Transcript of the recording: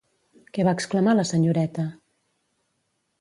Què va exclamar la senyoreta?